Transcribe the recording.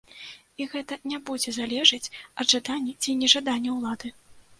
І гэта не будзе залежаць ад жадання ці нежадання ўлады.